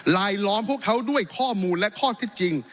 ลายล้อมพวกเขาด้วยข้อมูลและข้อที่จริง